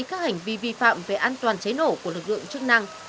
các hành vi vi phạm về an toàn cháy nổ của lực lượng chức năng